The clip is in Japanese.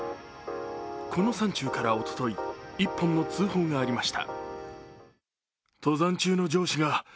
この山中から、おととい一本の通報がありました。